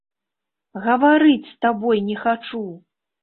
Гаварыць з табой не хачу!